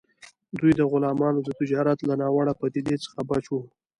دوی د غلامانو د تجارت له ناوړه پدیدې څخه بچ وو.